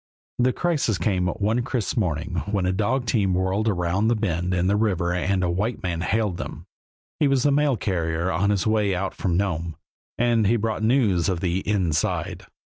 The crisis came one crisp morning when a dog team whirled around a bend in the river and a white man hailed them. He was the mail carrier, on his way out from Nome, and he brought news of the "inside."